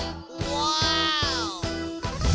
ว้าว